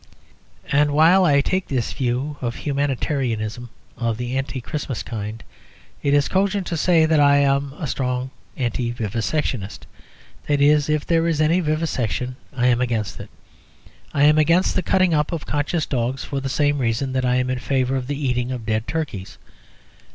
And while I take this view of humanitarianism of the anti Christmas kind, it is cogent to say that I am a strong anti vivisectionist. That is, if there is any vivisection, I am against it. I am against the cutting up of conscious dogs for the same reason that I am in favour of the eating of dead turkeys.